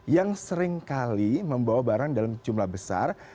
yang seringkali membawa barang dalam jumlah besar